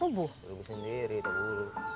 rubuh sendiri tak dulu